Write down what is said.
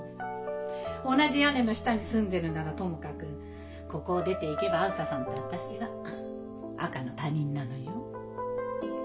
同じ屋根の下に住んでるならともかくここを出ていけばあづささんと私は赤の他人なのよ。